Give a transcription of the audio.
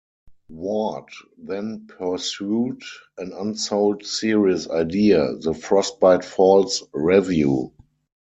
Ward then pursued an unsold series idea, "The Frostbite Falls Revue".